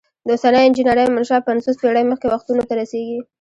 د اوسنۍ انجنیری منشا پنځوس پیړۍ مخکې وختونو ته رسیږي.